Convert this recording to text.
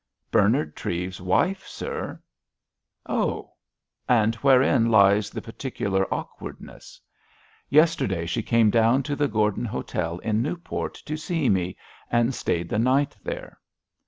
"Bernard Treves's wife, sir!" "Oh! And wherein lies the particular awkwardness?" "Yesterday she came down to the Gordon Hotel in Newport to see me, and stayed the night there."